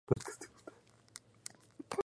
Es un canterano de la Academia del Arsenal.